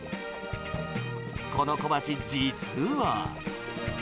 この小鉢、実は。